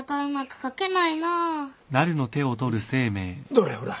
どれほら。